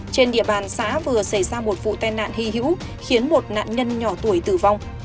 trên địa bàn xã vừa xảy ra một vụ tai nạn hy hữu khiến một nạn nhân nhỏ tuổi tử vong